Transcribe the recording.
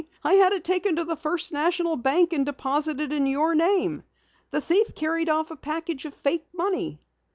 I had it taken to the First National Bank and deposited in your name. The thief carried off a package of fake money."